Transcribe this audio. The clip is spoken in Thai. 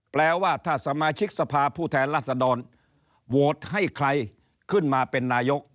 แปลว่าถ้าสมาชิกสภาผู้แทนรัศดรโหวตให้ใครขึ้นมาเป็นนายก